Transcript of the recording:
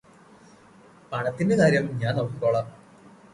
പണത്തിന്റെ കാര്യം ഞാന് നോക്കിക്കോളാം